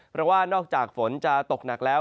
เพราะว่านอกจากฝนจะตกหนักแล้ว